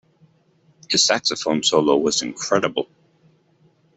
His saxophone solo was incredible.